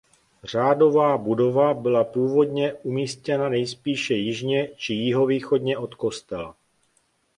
Řádová budova byla původně umístěna nejspíše jižně či jihovýchodně od kostela.